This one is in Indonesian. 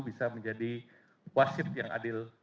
bisa menjadi wasit yang adil